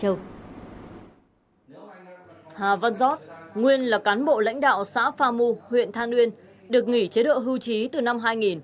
hà văn giót nguyên là cán bộ lãnh đạo xã pha mu huyện than uyên được nghỉ chế độ hưu trí từ năm hai nghìn